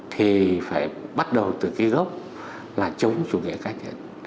thì phải bắt đầu từ cái gốc là chống chủ nghĩa cá nhân